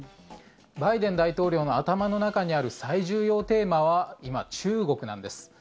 バイデン大統領の頭の中にある最重要テーマは今、中国なんです。